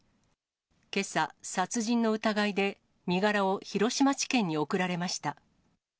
けさ、さつじんのうたがいで身柄を広島地検に送られました。